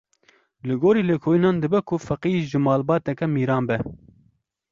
Li gorî lêkolînan dibe ku Feqî ji malbateke mîran be.